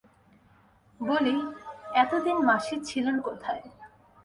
বলি, এতদিন মাসি ছিলেন কোথায়!